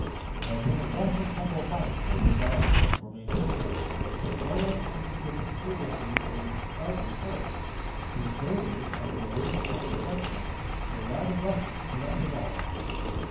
It had been a rough and tumble fight, by which our friends were made prisoners, but no one seemed to have been seriously, or even slightly, hurt. The invaders, under the leadership of the Frenchman, were rather ruffled, but that was all.